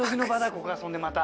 ここがそんでまた。